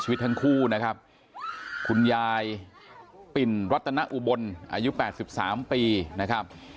วัฒนาอุบลอายุ๘๓ปีนะครับ